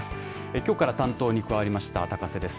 きょうから担当に加わりました高瀬です。